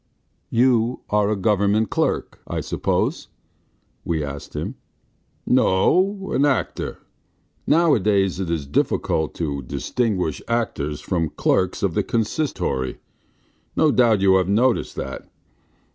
"You are a government clerk, I suppose?" we asked him. "No, an actor. Nowadays it is difficult to distinguish actors from clerks of the Consistory. No doubt you have noticed that.